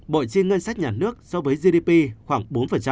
bội chi ngân sách nhà nước so với gdp khoảng bốn